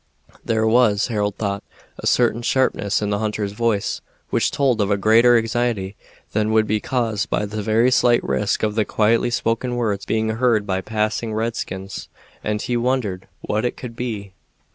There was, Harold thought, a certain sharpness in the hunter's voice, which told of a greater anxiety than would be caused by the very slight risk of the quietly spoken words being heard by passing redskins, and he wondered what it could be.